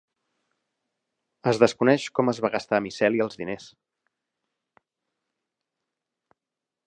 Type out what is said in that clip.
Es desconeix com es va gastar Miceli els diners.